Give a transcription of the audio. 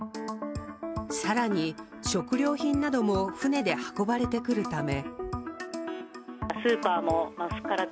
更に、食料品なども船で運ばれてくるため。